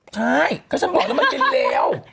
ใช่ก็ฉันบอกแล้วมันกินเร็ว